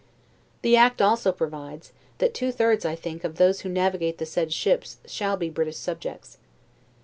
The act also provides, that two thirds, I think, of those who navigate the said ships shall be British subjects.